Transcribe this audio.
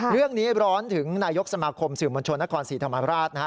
เรื่องนี้ร้อนถึงนายกสมคมสื่อมวลชนนครศรีธรรมราช